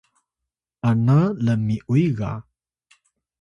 ana lmi’uy ga